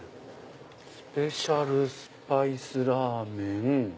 「スペシャルスパイスラーメン」。